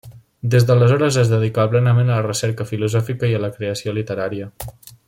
Des d'aleshores es dedicà plenament a la recerca filosòfica i a la creació literària.